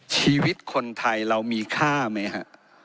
ชีวิตคนไทยเรามีค่าไหมฮะ